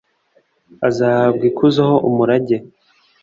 azahabwa ikuzo ho umurage,